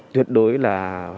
tuyệt đối là